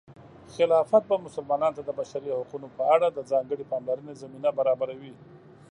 خلافت به مسلمانانو ته د بشري حقونو په اړه د ځانګړې پاملرنې زمینه برابروي.